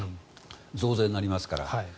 増税になりますから。